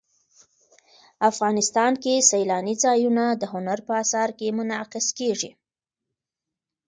افغانستان کې سیلانی ځایونه د هنر په اثار کې منعکس کېږي.